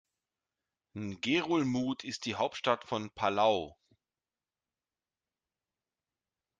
Ngerulmud ist die Hauptstadt von Palau.